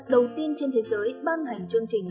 đầu tiên trên thế giới ban hành chương trình